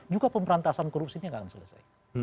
juga pemberantasan korupsinya gak akan selesai